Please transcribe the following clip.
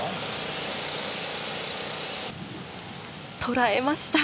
捉えました！